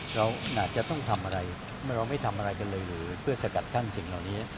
เราน่าจะต้องทำอะไรเรามันเราไม่ทำอะไรกันเลยเพื่อทรกัดขั้นสิ่งเหล่านี้